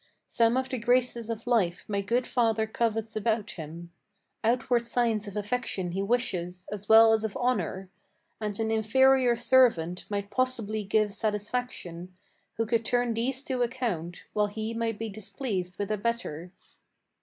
Some of the graces of life my good father covets about him, Outward signs of affection he wishes, as well as of honor; And an inferior servant might possibly give satisfaction, Who could turn these to account, while he might be displeased with a better."